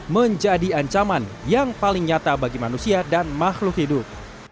menjadi ancaman yang paling nyata bagi manusia dan makhluk hidup